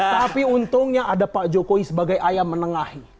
tapi untungnya ada pak jokowi sebagai ayam menengahi